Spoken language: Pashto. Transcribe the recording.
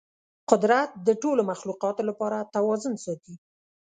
قدرت د ټولو مخلوقاتو لپاره توازن ساتي.